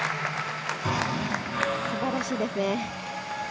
素晴らしいですね。